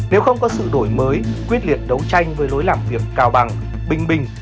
nếu không có sự đổi mới quyết liệt đấu tranh với lối làm việc cao bằng bình bình